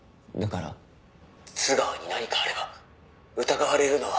「津川に何かあれば疑われるのは」